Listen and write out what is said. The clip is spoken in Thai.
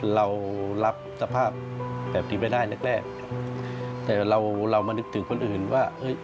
เรารับสภาพแบบนี้ไม่ได้แรกแรกแต่เราเรามานึกถึงคนอื่นว่า